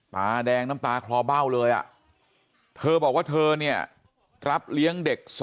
ตาแดงน้ำตาคลอเบ้าเลยเธอบอกว่าเธอเนี่ยรับเลี้ยงเด็ก๒